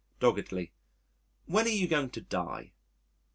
(doggedly): "When are you going to die?"